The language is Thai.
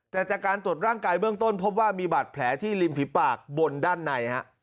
แต่จากการตรวจร่างกายเบื้องต้นพบว่ามีบาดแผลที่ริมฝีปากบนด้านใน